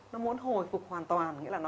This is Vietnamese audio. nó muốn hồi phục hoàn toàn